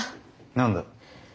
何だ？